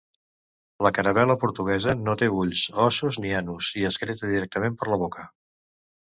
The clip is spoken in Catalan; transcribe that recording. La caravel·la portuguesa no té ulls, ossos ni anus, i excreta directament per la boca.